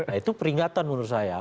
nah itu peringatan menurut saya